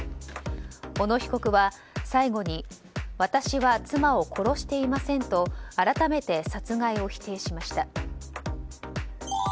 小野被告は最後に私は妻を殺していませんと改めて殺害を否定しました。